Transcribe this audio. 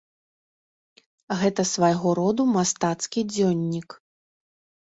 Гэта свайго роду мастацкі дзённік.